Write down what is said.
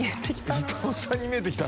伊藤さんに見えて来た。